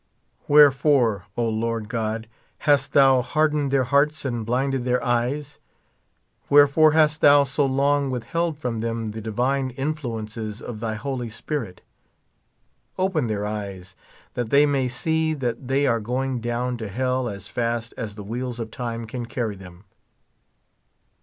Where fore, O Lord God, hast thou hardened their hearts and blinded their eyes ? Wherefore hast thou so long with held from them the divine influences of thy holy spirit ? Open their eyes that they may see that they are going down to hell as fast as the wheels of time can carry them.